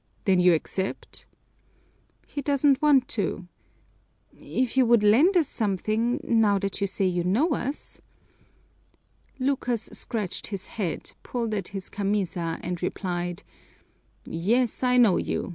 "Then you accept?" "He doesn't want to! If you would lend us something, now that you say you know us " Lucas scratched his head, pulled at his camisa, and replied, "Yes, I know you.